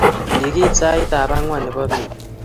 Kigiit sait tab angwan nebo beet